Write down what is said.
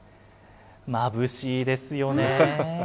まぶしいですよね。